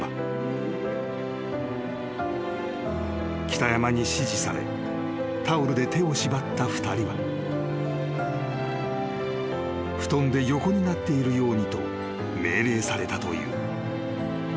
［北山に指示されタオルで手を縛った２人は布団で横になっているようにと命令されたという］